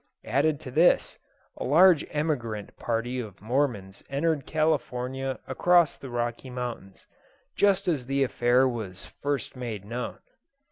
Added to this, a large emigrant party of Mormons entered California across the Rocky Mountains, just as the affair was first made known.